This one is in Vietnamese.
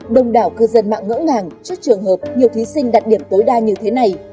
đông đảo cư dân mạng ngỡ ngàng trước trường hợp nhiều thí sinh đặt điểm tối đa như thế này